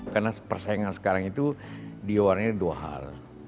karena persaingan sekarang itu diwarnai dua hal